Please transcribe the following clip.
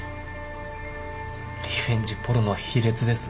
リベンジポルノは卑劣です。